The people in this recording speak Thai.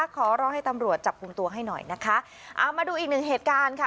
ขอร้องให้ตำรวจจับกลุ่มตัวให้หน่อยนะคะเอามาดูอีกหนึ่งเหตุการณ์ค่ะ